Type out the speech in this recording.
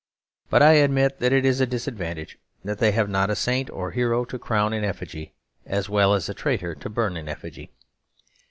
But I admit it is a disadvantage that they have not a saint or hero to crown in effigy as well as a traitor to burn in effigy.